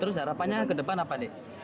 terus harapannya ke depan apa nih